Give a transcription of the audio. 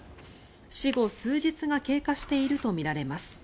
死後数日が経過しているとみられます。